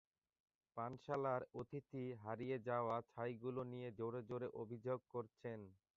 পানশালার অতিথি হারিয়ে যাওয়া ছাইগুলো নিয়ে জোরে জোরে অভিযোগ করছেন।